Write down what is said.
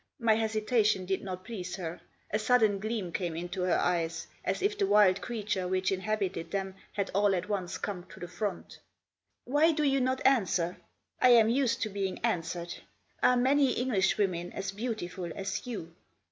My hesitation did not please her. A sudden gleam came into her eyes ; as if the wild creature which inhabited them had all at once come to the front. " Why do you not answer ? I am used to being answered. Are many Englishwomen as beautiful as you